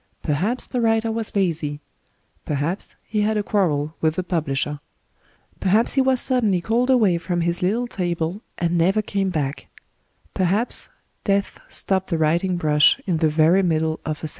... Perhaps the writer was lazy; perhaps he had a quarrel with the publisher ; perhaps he was suddenly called away from his little table, and never came back ; perhaps death stopped the writing brush in the very middle of a sentence.